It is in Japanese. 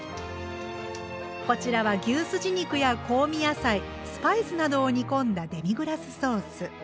こちらは牛すじ肉や香味野菜スパイスなどを煮込んだデミグラスソース。